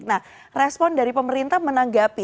nah respon dari pemerintah menanggapi